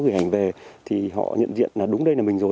gửi ảnh về thì họ nhận diện là đúng đây là mình rồi